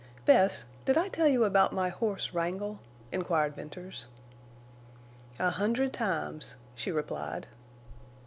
"Bess, did I tell you about my horse Wrangle?" inquired Venters. "A hundred times," she replied.